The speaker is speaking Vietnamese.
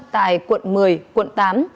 tại quận một mươi quận tám